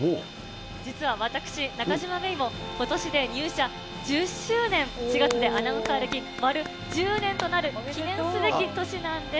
実は私、中島芽生も今年で入社１０周年、４月でアナウンサー歴、丸１０年となる記念すべき年なんです。